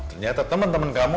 ternyata temen temen kamu